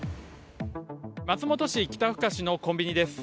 松本市北深志のコンビニです。